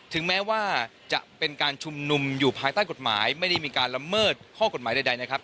ถึงแม้ว่าจะเป็นการชุมนุมอยู่ภายใต้กฎหมายไม่ได้มีการละเมิดข้อกฎหมายใดนะครับ